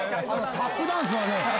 タップダンスはね